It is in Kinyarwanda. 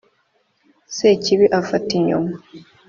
sekibi afata inyuma